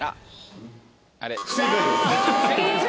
不正解です。